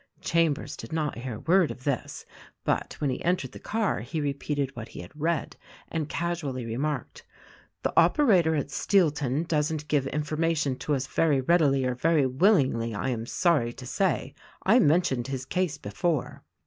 Chambers did not hear a word of this; but when he entered the car he repeated what he had read, and casually remarked, "The operator at Steelton doesn't give informa tion to us very readily or very willingly, I am sorry to say. I mentioned his case before."